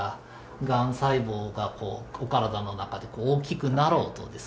がん細胞がこうお体の中で大きくなろうとですね